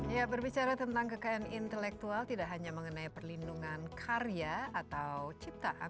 ya berbicara tentang kekayaan intelektual tidak hanya mengenai perlindungan karya atau ciptaan